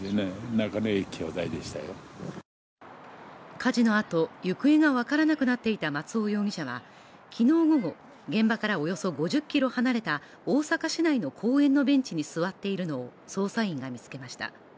火事のあと、行方が分からなくなっていた松尾容疑者は昨日午後、現場からおよそ５０ｋｍ離れた大阪市内の公園のベンチに座っているのを捜査員が見つけました。